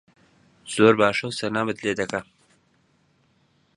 زۆر باشە و سەلامت لێ دەکا